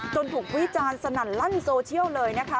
ถูกวิจารณ์สนั่นลั่นโซเชียลเลยนะคะ